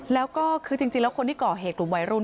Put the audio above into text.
แล้วก็คือจริงแล้วคนที่ก่อเหตุกลุ่มวัยรุ่น